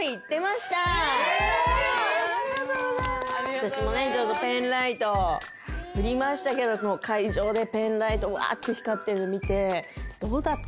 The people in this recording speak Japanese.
私もペンライトを振りましたけども会場でペンライトわって光ってるの見てどうだった？